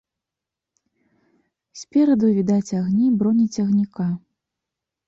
Спераду відаць агні бронецягніка.